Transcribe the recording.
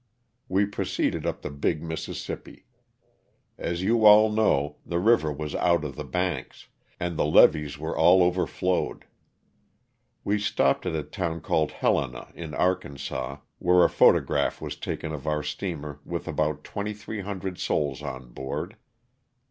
We proceeded up the big Mississippi. As you all know, the river was out of the banks, and the levees were all overflowed. We stopped at a town called Helena, in Arkansas, where a photograph was taken of our steamer with about 2,300 souls on board.